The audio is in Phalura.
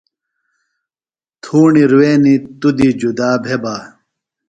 تھوݨی روینی توۡ دی جدا بھےۡ بہ۔